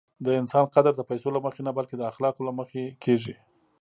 د انسان قدر د پیسو له مخې نه، بلکې د اخلاقو له مخې کېږي.